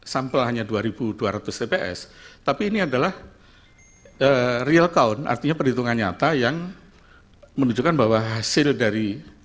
sampel hanya dua ribu dua ratus tps tapi ini adalah real count artinya perhitungan nyata yang menunjukkan bahwa hasil dari